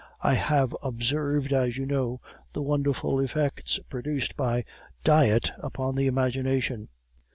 I have observed, as you know, the wonderful effects produced by diet upon the imagination.